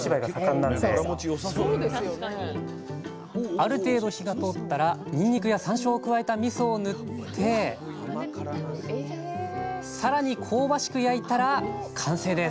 ある程度、火が通ったらにんにくやさんしょうを加えたみそを塗ってさらに香ばしく焼いたら完成です。